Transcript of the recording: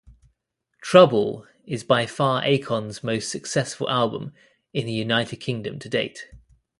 "Trouble" is by far Akon's most successful album in the United Kingdom to date.